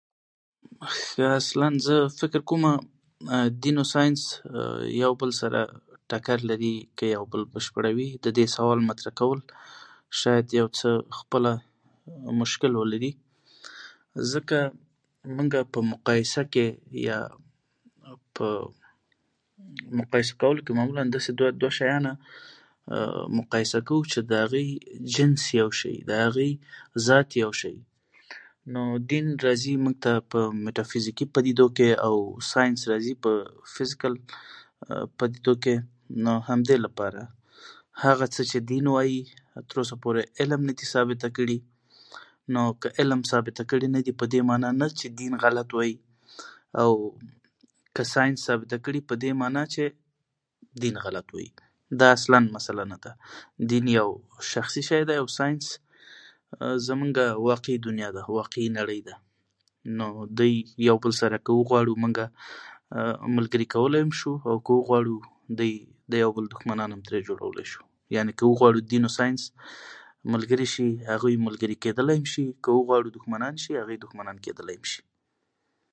ښه اصلا زه فکر کوم دین او ساینس یو بل سره ټکر لري، که یو بل بشپړوي، د دې سوال مطرح کول شاید خپله یو څه مشکل ولري، ځکه مونږه په مقایسه کې یا په مقایسه کولو کې معمولا داسې دوه شيانه مقایسه کوو، چې د هغې جنس یو شی وي، د هغې ذات یو شی وي، نو دین راځي په میټافزیکي پدیدو کې او ساینس په فزیکل پدیدو کې؛ نو همدې له پاره هغه څه چې دین وایي تر اوسه پورې علم نه دي ثابته کړي، نو که علم ثابته کړي نه دي په دې معنا نه چې دین غلط وایي او که ساینس ثابته کړي په دې معنا چې دین غلط وایی. دا اصلا مسئله نه ده. دین یو شخصي شی دی او ساینس واقعي دنیا ده، واقعي نړۍ ده؛ نو دوی که وغواړو موږ یو ځای کولای هم شو او که وغواړو دوی یو د بل دښمنان هم ترې جوړولای شو. یعنې که وغواړو دین او ساینس یو د بل ملګري شي، ملګري کیدلی شي او که وغواړو دښمنان شي، دښمنان کېدلی هم شي.